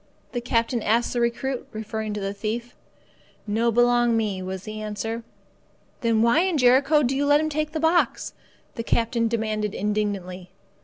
the captain asked the recruit, referring to the thief. "No belong me," was the answer. "Then why in Jericho do you let him take the box?" the captain demanded indignantly.